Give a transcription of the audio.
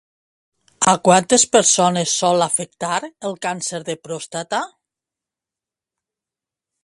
A quantes persones sol afectar el càncer de pròstata?